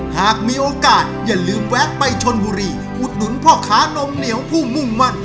หากมีโอกาสอย่าลืมแวะไปชนบุรีอุดหนุนพ่อค้านมเหนียวผู้มุ่งมั่น